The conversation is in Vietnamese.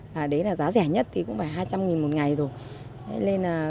đấy là giá rẻ nhất thì cũng phải hai trăm linh đồng một ngày rồi